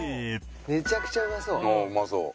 めちゃくちゃうまそう。